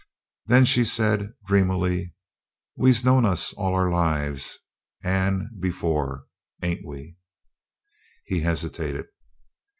Then she said dreamily: "We'se known us all our lives, and before, ain't we?" He hesitated.